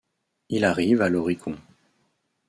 Il arrive à l'Oricon.